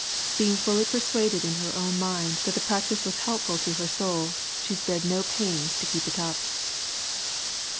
Being fuUy persuaded in her own mind that the practice was helpful to her soul, she spared no pains to keep it up.